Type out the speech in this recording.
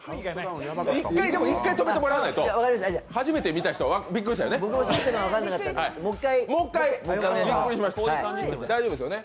一回止めてもらわないと、初めて見た人びっくりしますよね。